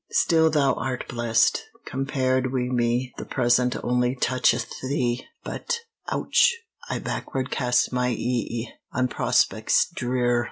Still thou art blest, compared wi' me! The present only toucheth thee: RAINBOW GOLD But, och! I backward cast my e'e On prospects drear!